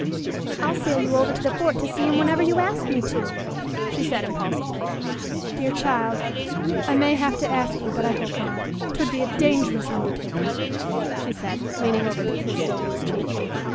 "I'll sail you over to the fort to see him whenever you ask me to," she said impulsively. "Dear child, I may have to ask you, but I hope not. 'Twould be a dangerous undertaking," she said, leaning over to kiss Sylvia's cheek.